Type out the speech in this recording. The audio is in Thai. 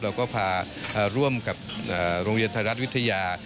เราก็พาร่วมกับโรงเรียนไทยรัฐวิทยา